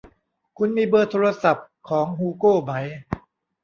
คุณมีเบอร์โทรศัพท์ของฮูโกไหม